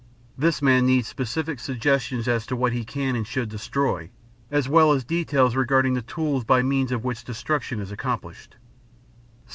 This man needs specific suggestions as to what he can and should destroy as well as details regarding the tools by means of which destruction is accomplished.